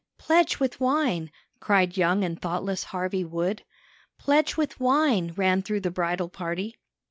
Pledge with wine!" cried young and thoughtless Harvey Wood. "Pledge with wine!" ran through the bridal party.